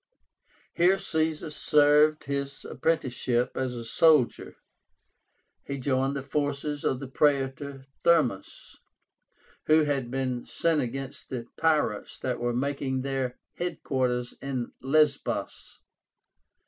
Here Caesar served his apprenticeship as a soldier. He joined the forces of the Praetor Thermus, who had been sent against the pirates that were making their head quarters in Lesbos.